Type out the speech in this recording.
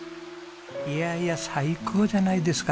いやいや最高じゃないですか。